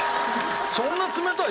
そんな冷たい？